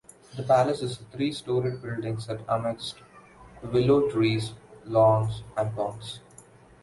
The palace is a three-storied building set amidst willow trees, lawns and ponds.